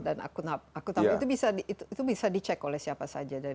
dan aku tahu itu bisa dicek oleh siapa saja